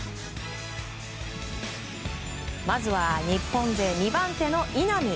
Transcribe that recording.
まずは日本勢２番手の稲見。